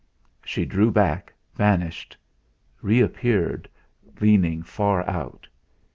She drew back, vanished, reappeared, leaning far down.